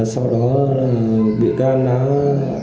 sau đó vị can đã đánh giá